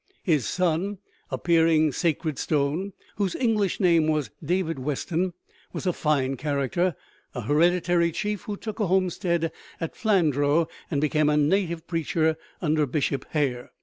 His son, Appearing Sacred Stone, whose English name was David Weston, was a fine character a hereditary chief who took a homestead at Flandreau and became a native preacher under Bishop Hare.